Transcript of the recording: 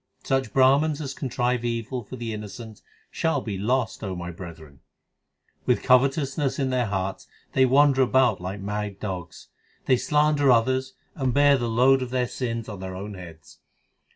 Such Brahmans as contrive evil For the innocent shall be lost, O my brethren. With covetousness in their hearts they wander about like mad dogs ; They slander others, and bear the load of their sins on their own heads.